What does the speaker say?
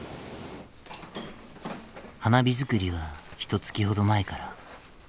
花火作りはひとつきほど前から。